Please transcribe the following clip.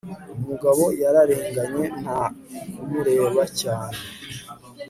umugabo yararenganye nta kumureba cyane